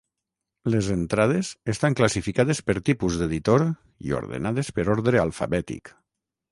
Les entrades estan classificades per tipus d'editor i ordenades per ordre alfabètic.